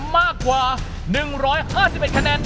มากกว่า๑๕๑คะแนน